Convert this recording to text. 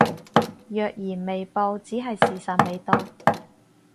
若然未報只係時辰未到